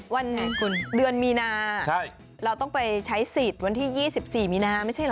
วันไหนคุณเดือนมีนาเราต้องไปใช้สิทธิ์วันที่๒๔มีนาไม่ใช่เหรอ